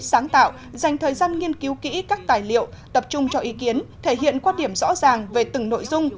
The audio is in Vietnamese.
sáng tạo dành thời gian nghiên cứu kỹ các tài liệu tập trung cho ý kiến thể hiện quan điểm rõ ràng về từng nội dung